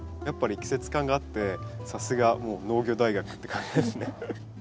やっぱり季節感があってさすがもう農業大学って感じですね。